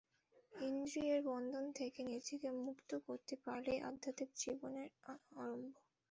ইন্দ্রিয়ের বন্ধন থেকে নিজেকে মুক্ত করতে পারলেই আধ্যাত্মিক জীবনের আরম্ভ।